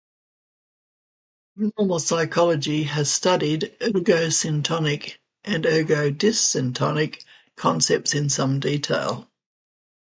Abnormal psychology has studied egosyntonic and egodystonic concepts in some detail.